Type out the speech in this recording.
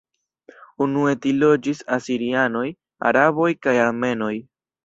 Unue tie loĝis asirianoj, araboj kaj armenoj.